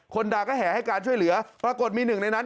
ด่าก็แห่ให้การช่วยเหลือปรากฏมีหนึ่งในนั้น